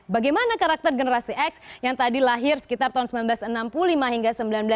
bagaimana karakter generasi x yang tadi lahir sekitar tahun seribu sembilan ratus enam puluh lima hingga seribu sembilan ratus sembilan puluh